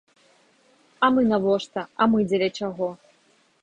А мы навошта, а мы дзеля чаго?